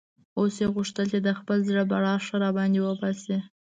اوس یې غوښتل چې د خپل زړه بړاس ښه را باندې وباسي.